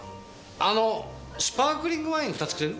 あのスパークリングワイン２つくれる？